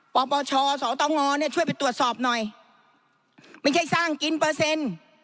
ปปชสตงเนี่ยช่วยไปตรวจสอบหน่อยไม่ใช่สร้างกินเปอร์เซ็นต์